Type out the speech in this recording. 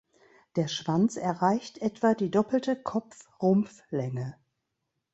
Der Schwanz erreicht etwa die doppelte Kopf-Rumpf Länge.